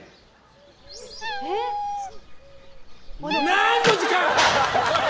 何の時間！？